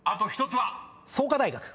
「創価大学」